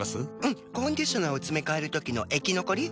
んっコンディショナーをつめかえるときの液残り？